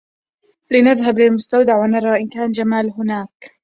لنذهب للمستودع و نرى إن كان جمال هناك.